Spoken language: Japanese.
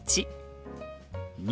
「２」。